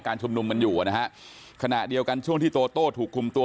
ชุมนุมกันอยู่นะฮะขณะเดียวกันช่วงที่โตโต้ถูกคุมตัว